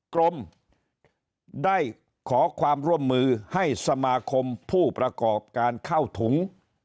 กรมได้ขอความร่วมมือให้สมาคมผู้ประกอบการเข้าถุง